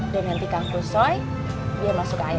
dan nanti kang kusoy dia masuk ke airnya